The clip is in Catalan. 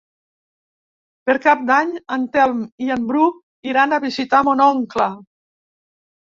Per Cap d'Any en Telm i en Bru iran a visitar mon oncle.